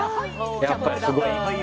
やっぱりすごい。